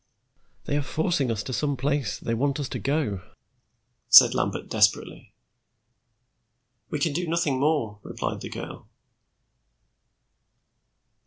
"They are forcing us to some place they want us to go," said Lambert desperately. "We can do nothing more," replied the girl.